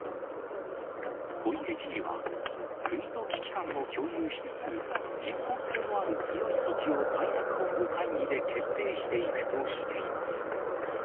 小池知事は、国と危機感を共有しつつ、実効性のある強い措置を対策本部会議で決定していくとしています。